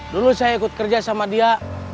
dulu saya ikut kerja sama dia